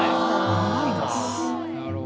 うまいな。